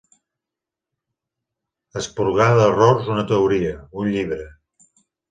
Esporgar d'errors una teoria, un llibre.